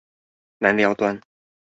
南寮端